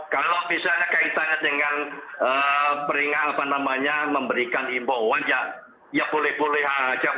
kalau misalnya kaitannya dengan peringatan apa namanya memberikan imbauan ya boleh boleh saja